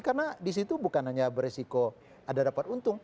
karena di situ bukan hanya beresiko ada dapat untung